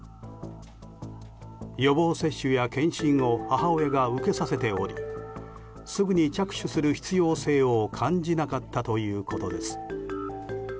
予防接種や検診を母親が受けさせておりすぐに着手する必要性を感じなかったということです。